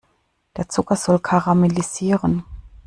Der Zucker soll karamellisieren.